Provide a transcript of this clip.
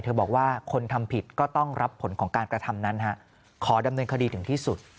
บอกว่าคนทำผิดก็ต้องรับผลของการกระทำนั้นขอดำเนินคดีถึงที่สุด